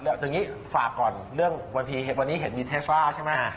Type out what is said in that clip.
อย่างนี้ฝากก่อนเรื่องบางทีวันนี้เห็นมีเทสบ้าใช่ไหม